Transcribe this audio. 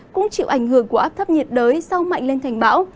cũng chịu ảnh hưởng của áp thấp nhiệt đới sau mạnh lên thành bão